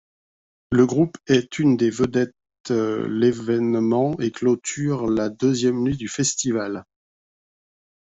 Le groupe est une des vedettes l'événement et clôture la deuxième nuit du festival.